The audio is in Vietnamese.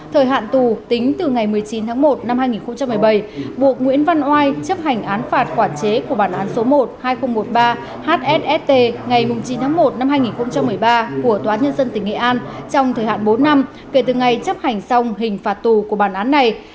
thời hạn tù tính từ ngày một mươi chín tháng một năm hai nghìn một mươi bảy buộc nguyễn văn oai chấp hành án phạt quản chế của bản án số một hai nghìn một mươi ba hsst ngày chín tháng một năm hai nghìn một mươi ba của tòa nhân dân tỉnh nghệ an trong thời hạn bốn năm kể từ ngày chấp hành xong hình phạt tù của bản án này